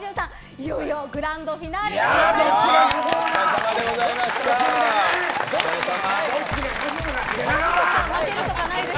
いよいよグランドフィナーレでございます。